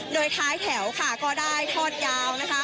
โดยท้ายแถวค่ะก็ได้ทอดยาวนะคะ